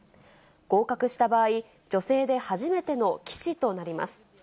合格した場合、女性で初めての棋士となります。